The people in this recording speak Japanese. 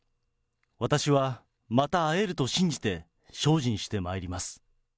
私はまた会えると信じて、精進してまいります。